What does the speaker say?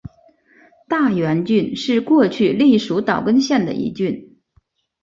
大原郡是过去隶属岛根县的一郡。